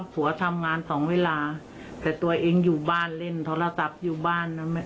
ผัวทำงานสองเวลาแต่ตัวเองอยู่บ้านเล่นโทรศัพท์อยู่บ้านนั้น